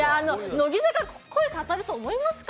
乃木坂、恋語ると思いますか？